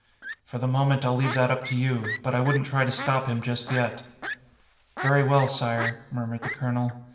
"For the moment, I'll leave that up to you. But I wouldn't try to stop him just yet." "Very well, Sire," murmured the colonel.